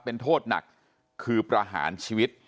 เป็นโทษหนักคือประหารชีวิต